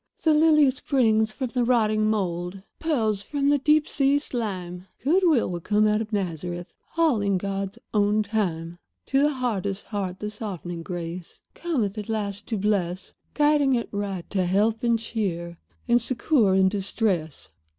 "The lily springs from the rotting mould; Pearls from the deep sea slime; Good will come out of Nazareth All in God's own time. "To the hardest heart the softening grace Cometh, at last, to bless; Guiding it right to help and cheer And succor in distress.